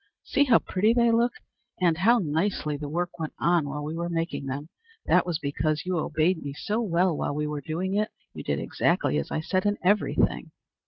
"See how pretty they look! And how nicely the work went on while we were making them! That was because you obeyed me so well while we were doing it. You did exactly as I said in every thing."